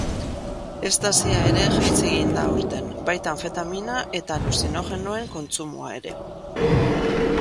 Estasia ere jaitsi egin da aurten, baita anfetamina eta aluzinogenoen kontsumoa ere.